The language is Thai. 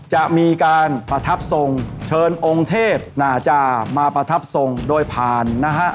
จะมีการประทับทรงเชิญองค์เทพน่าจะมาประทับทรงโดยผ่านนะฮะ